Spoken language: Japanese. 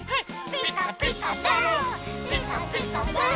「ピカピカブ！ピカピカブ！」